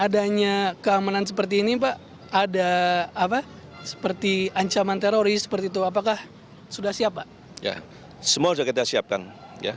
bagaimana dengan kota bandung